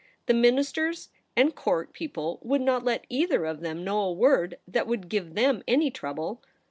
The Ministers and Court people would not let either of them know a word that would give tkem any trouble.